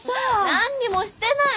何にもしてないよ！